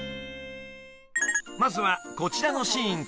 ［まずはこちらのシーンから］